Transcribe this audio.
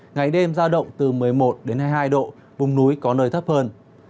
ngày đêm giao động từ một mươi một đến hai mươi hai độ vùng núi có nơi thấp hơn